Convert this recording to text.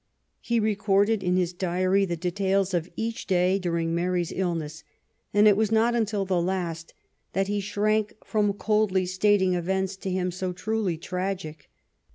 He recorded in his diary the de tails of each day during Mary's illness, and it was not uutil the last that he shrank from coldly stating events to him so truly tragic.